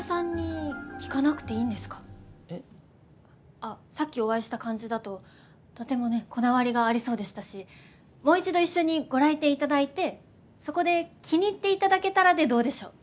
あっさっきお会いした感じだととてもねこだわりがありそうでしたしもう一度一緒にご来店頂いてそこで気に入って頂けたらでどうでしょう？